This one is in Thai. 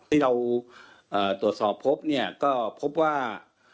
ที่เราตรวจสอบพบเนี่ยก็พบว่า